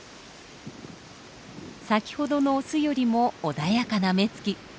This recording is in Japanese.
先ほどのオスよりも穏やかな目つき。